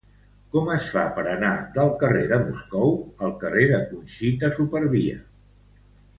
Com es fa per anar del carrer de Moscou al carrer de Conxita Supervia?